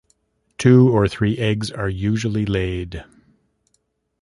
Two or three eggs are usually laid.